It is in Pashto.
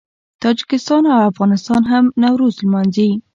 تاجکستان او افغانستان هم نوروز لمانځي.